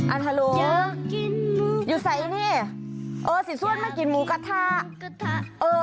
อ่าฮัลโหลอยู่ใส่นี่เออสี่ส้วนมันกินหมูกระทะเออ